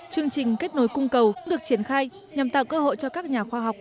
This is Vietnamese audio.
chương trình kết nối cung cầu cũng được triển khai nhằm tạo cơ hội cho các nhà khoa học